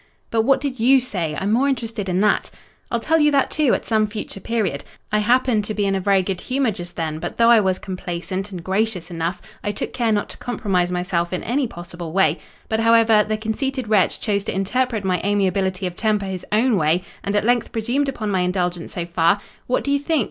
"But what did you say—I'm more interested in that?" "I'll tell you that, too, at some future period. I happened to be in a very good humour just then; but, though I was complaisant and gracious enough, I took care not to compromise myself in any possible way. But, however, the conceited wretch chose to interpret my amiability of temper his own way, and at length presumed upon my indulgence so far—what do you think?